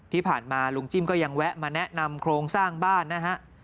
ที่ผ่านมาลุงจิ้มก็ยังแวะมาแนะนำโครงสร้างบ้านนะฮะ